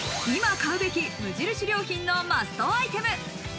今買うべき無印良品のマストアイテム。